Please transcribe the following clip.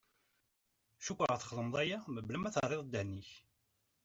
Cukkeɣ txedmeḍ aya mebla ma terriḍ ddehn-ik.